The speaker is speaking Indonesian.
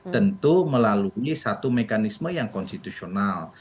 tentu melalui satu mekanisme yang konstitusional